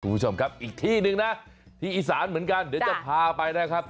คุณผู้ชมครับอีกที่หนึ่งนะที่อีสานเหมือนกันเดี๋ยวจะพาไปนะครับ